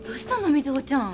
瑞穂ちゃん。